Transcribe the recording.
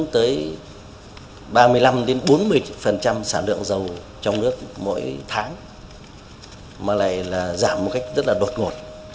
trong nước mỗi tháng mà lại là giảm một cách rất là đột ngột